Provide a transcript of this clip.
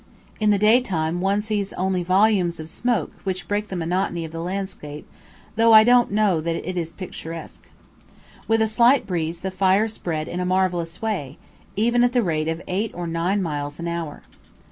In the day time one only sees volumes of smoke which break the monotony of the landscape, though I don't know that it is picturesque. With a slight breeze the fires spread in a marvellous way, even at the rate of eight or nine miles an hour.